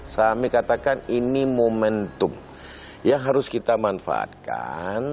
kami katakan ini momentum yang harus kita manfaatkan